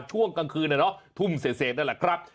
ช่วงกลางคืนนะเนาะทุ่มเศษนั่นแหละครับ